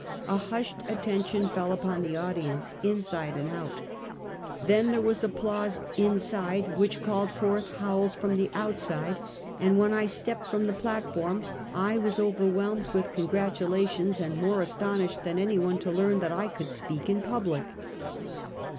A hushed attention fell upon the audience, inside and out. Then there was applause inside, which called forth howls from the outside, and when I stepped from the plat form, I was overwhelmed with congratulations, and more astonished than any one, to learn that I could speak in public.